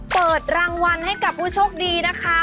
เปิดรางวัลให้กับผู้โชคดีนะคะ